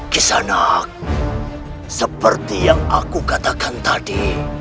kisanak seperti yang aku katakan tadi